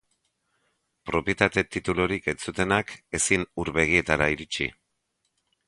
Propietate titulurik ez zutenak ezin ur-begietara iritsi.